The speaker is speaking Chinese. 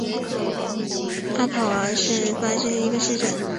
阿考昂是巴西皮奥伊州的一个市镇。